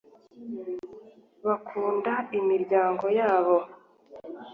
bakunda imiryango yabo